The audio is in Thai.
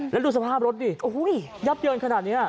แล้วดูสภาพรถดิโอ้โหยับเยินขนาดนี้